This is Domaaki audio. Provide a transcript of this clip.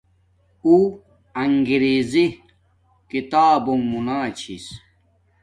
اُو انگریزی کتابنݣ موناچھس